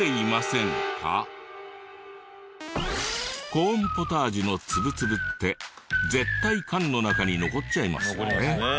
コーンポタージュのツブツブって絶対缶の中に残っちゃいますよね。